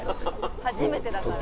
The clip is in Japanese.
初めてだから。